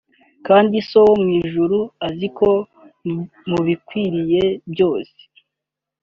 kandi So wo mu ijuru azi ko mubikwiriye byose